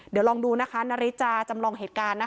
เดี๋ยวลองดูนะคะนาริจาจำลองเหตุการณ์นะคะ